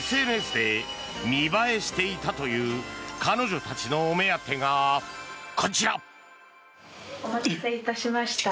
ＳＮＳで見栄えしていたという彼女たちのお目当てがこちら。